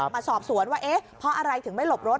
มาสอบสวนว่าเอ๊ะเพราะอะไรถึงไม่หลบรถ